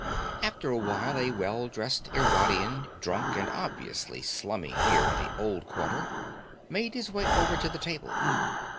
After a while a well dressed Irwadian, drunk and obviously slumming here in the Old Quarter, made his way over to the table.